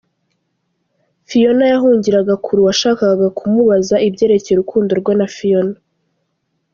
Phiona yahungiraga kure uwashaka kumubaza ibyerekeye urukundo rwe na Phiona.